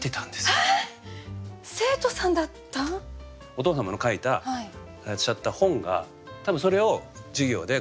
お父様の書いていらっしゃった本が多分それを授業で。